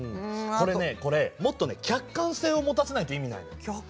これねもっと客観性を持たせないと意味がないの。